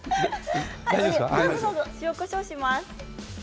塩、こしょうします。